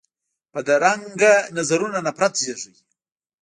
بدرنګه نظرونه نفرت زېږوي